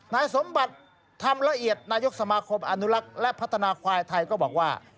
นายสมบัติธรรมละเอียดนายกสมาคมอนุรักษ์และพัฒนาควายไทยก็บอกว่า